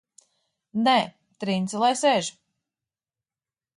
Nē, Trince lai sēž!